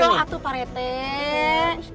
jangan dong atuh pak retek